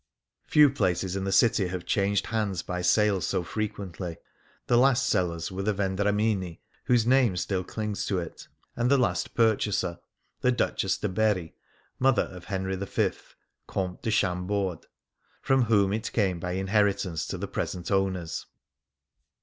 Few palaces in the city have changed hands by sale so frequently. The last sellers were the Vendramini, whose name still clings to it, and the last purchaser the Duchess de Berri, mother of Henry V., Comte de Chambord, from whom it came by inheritance to the present owners.